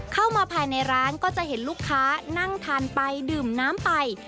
เข้ามาภายในร้านก็จะเห็นลูกค้านั่งทานไปดื่มน้ำไป